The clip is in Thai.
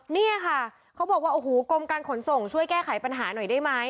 เนี่ยค่ะเขาบอกว่าโอ้โหกรมการขนส่งช่วยแก้ไขปัญหาหน่อยได้ไหม